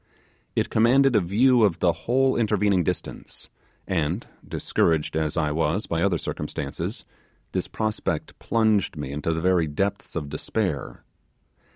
It commanded a view of the whole intervening distance; and, discouraged as I was by other circumstances, this prospect plunged me into the very depths of despair.